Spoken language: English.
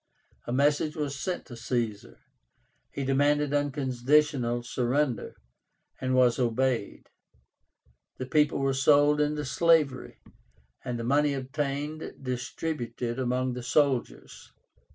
A message was sent to Caesar. He demanded unconditional surrender, and was obeyed. The people were sold into slavery, and the money obtained distributed among the soldiers.